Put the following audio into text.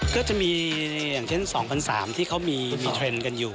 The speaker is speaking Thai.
ก็จะมีอย่างเช่น๒๐๐๓๐๐ที่เขามีเทรนด์กันอยู่